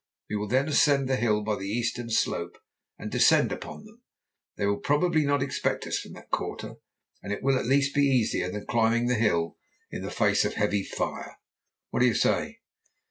We will then ascend the hill by the eastern slope and descend upon them. They will probably not expect us from that quarter, and it will at least be easier than climbing the hill in the face of a heavy fire. What do you say?"